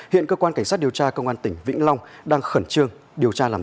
hiện cơ quan cảnh sát điều tra công an tỉnh vĩnh long đang khẩn trương điều tra làm rõ